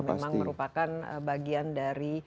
memang merupakan bagian dari